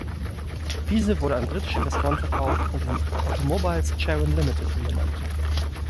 Diese wurde an britische Investoren verkauft und in Automobiles Charron Limited umbenannt.